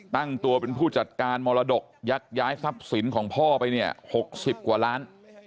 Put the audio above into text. ตั้งตัวเป็นผู้จัดการมรดกยักย้ายทรัพย์สินของพ่อไปเนี่ย๖๐กว่าล้าน